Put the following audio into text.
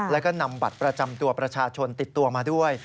แล้วก็นำบัตรประจำตัวประชาชนติดตัวมาด้วย